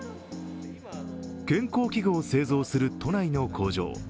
健康器具を製造する都内の工場。